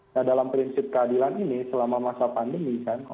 nah dalam prinsip keadilan ini selama masa pandemi kan